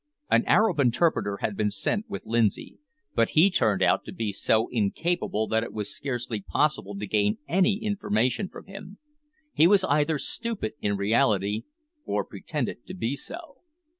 An Arab interpreter had been sent with Lindsay, but he turned out to be so incapable that it was scarcely possible to gain any information from him. He was either stupid in reality, or pretended to be so.